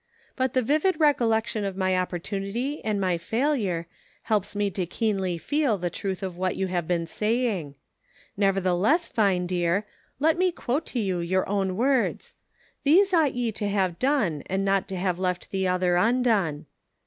But the vivid recollection of my opportunity r and my failure, helps me to keenly feel the truth of what you have been saying. Nevertheless, Vine dear, let me quote to you your own words :* These ought ye to have done, and not to have left the other undone.'